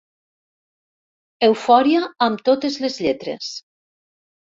Eufòria amb totes les lletres.